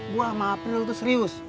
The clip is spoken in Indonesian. gue sama apri lo tuh serius